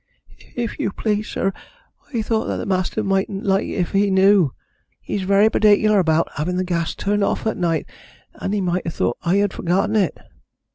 "If you please, sir, I thought that the master mightn't like it if he knew. He's very particular about having the gas turned off at night, and he might have thought I had forgotten it."